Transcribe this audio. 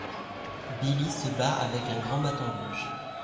Billy se bat avec un grand bâton rouge.